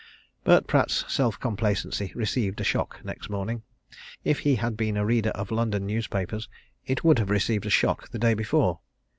But Pratt's self complacency received a shock next morning. If he had been a reader of London newspapers, it would have received a shock the day before.